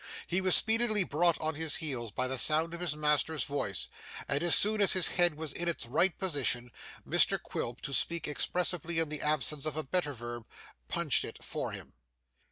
He was speedily brought on his heels by the sound of his master's voice, and as soon as his head was in its right position, Mr Quilp, to speak expressively in the absence of a better verb, 'punched it' for him.